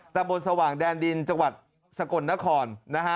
ตามบนสว่างแดนดินจังหวัดสกลนคร